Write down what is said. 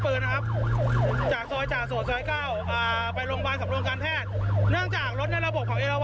เนื่องจากรถในระบบของเอลวันอ่าไม่พร้อมนะครับ